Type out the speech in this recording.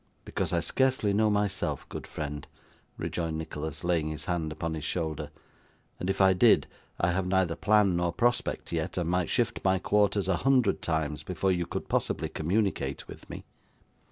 'Because I scarcely know myself, good friend,' rejoined Nicholas, laying his hand upon his shoulder; 'and if I did, I have neither plan nor prospect yet, and might shift my quarters a hundred times before you could possibly communicate with me.